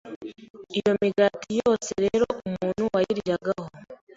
iyo migati yose rero umuntu wayiryagaho